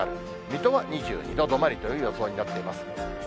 水戸は２２度止まりという予想になっています。